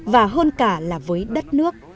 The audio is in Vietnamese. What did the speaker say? và hơn cả là với đất nước